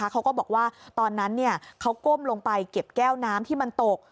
เขาก็บอกว่าตอนนั้นเขาก้มลงไปเก็บแก้วน้ำที่มันตก